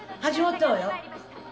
始まったわよ！